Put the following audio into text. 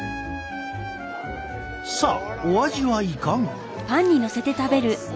さあお味はいかが？